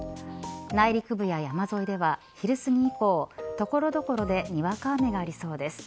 内陸部や山沿いでは昼すぎ以降所々でにわか雨がありそうです。